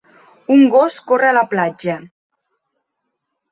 Un gos corre a la platja.